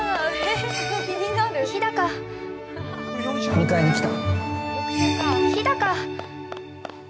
◆迎えに来た。